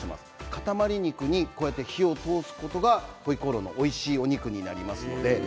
塊肉に火を通すことがホイコーローのおいしいお肉になります。